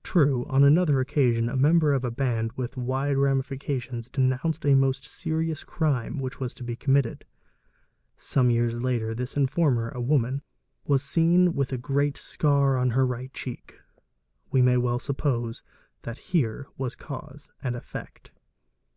_ 'True, on another occasion a member of a band with wide ramifications Zenounced a most serious crime which was to be committed. Some years ii informer, a woman, was seen with a great scar on her right a heek. We may well suppose that here was cause and effect.